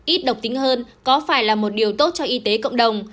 ít độc tính hơn có phải là một điều tốt cho y tế cộng đồng